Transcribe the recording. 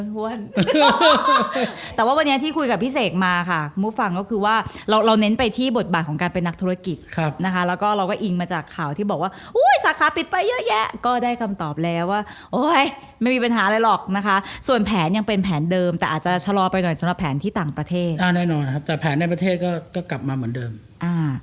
ก็รอไปหน่อยสำหรับแผนที่ต่างประเทศอ่าแน่นอนนะครับแต่แผนในประเทศก็ก็กลับมาเหมือนเดิมอ่า